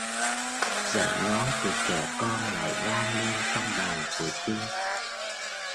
Giọng nói của trẻ con lại vang lên trong đầu của Trinh